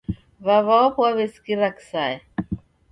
W'aw'a wapo waw'esikira kisaya